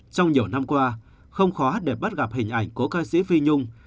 trong nhiều năm qua không khó để bắt gặp hình ảnh cố ca sĩ phi nhung